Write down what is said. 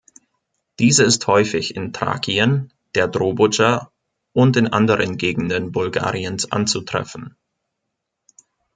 Diese ist häufig in Thrakien, der Dobrudscha und in anderen Gegenden Bulgariens anzutreffen.